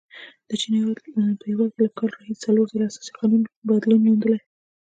د چین په هیواد کې له کال راهیسې څلور ځلې اساسي قانون بدلون موندلی.